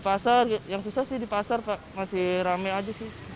pasar yang susah sih di pasar pak masih ramai aja sih seperti biasa